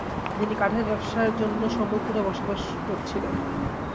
তিনি কাঠের ব্যবসায়ের জন্য সম্বলপুরে বসবাস করেছিলেন।